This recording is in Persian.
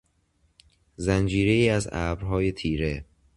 زنجیرهای از ابرهای تیره